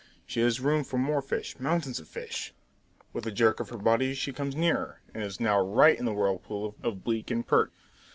She has room for more fish, mountains of fish! With a jerk of her body she comes nearer, and is now right in the whirlpool of bleak and perch.